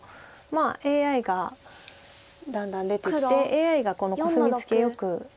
ＡＩがだんだん出てきてＡＩがこのコスミツケよく使うんですよね。